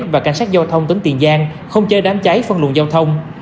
và cảnh sát giao thông tỉnh tiền giang không chế đám cháy phân luận giao thông